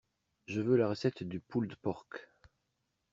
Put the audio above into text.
Je veux la recette du pulled pork.